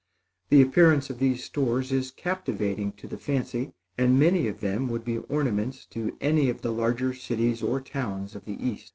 The appearance of these stores is captivating to the fancy, and many of them would be ornaments to any of the larger cities or towns of the east.